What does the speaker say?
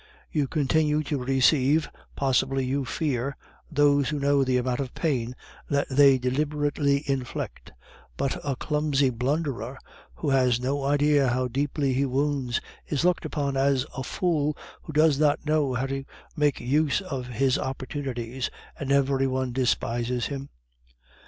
"You continue to receive, possibly you fear, those who know the amount of pain that they deliberately inflict; but a clumsy blunderer who has no idea how deeply he wounds is looked upon as a fool who does not know how to make use of his opportunities, and every one despises him."